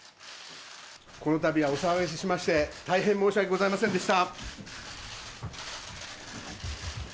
このたびはお騒がせしまして、大変申し訳ございませんでした。